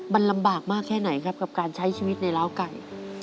มันลำบากมากแค่ไหนครับกับการใช้ชีวิตในล้าวไก่